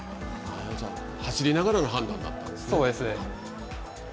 じゃあ、走りながらの判断だったんですね。